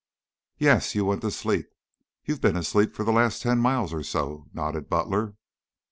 "Yes, you went to sleep. You've been asleep for the last ten miles or so," nodded Butler.